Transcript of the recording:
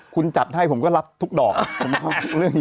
คุณจัดให้ผมก็รับทุกดอก